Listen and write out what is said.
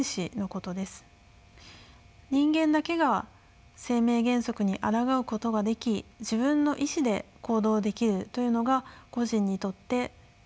人間だけが生命原則にあらがうことができ自分の意思で行動できるというのが個人にとって大切になります。